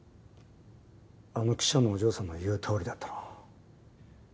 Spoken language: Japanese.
あの記者のお嬢さんの言うとおりだったな